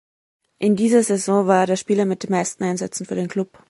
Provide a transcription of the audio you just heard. In dieser Saison war er der Spieler mit den meisten Einsätzen für den Club.